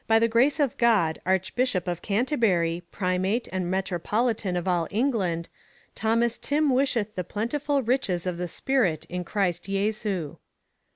the grace of God, Archebilliop of Cau terburie , Primate and Metropoli tane of all England, Thomas Timme wisheth the plentifull riches of the Spirite, in Christ lesu.